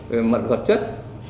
về mặt vật chất